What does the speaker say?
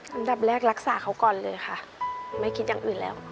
อันดับแรกรักษาเขาก่อนเลยค่ะไม่คิดอย่างอื่นแล้ว